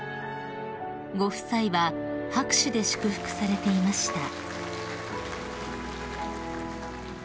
［ご夫妻は拍手で祝福されていました］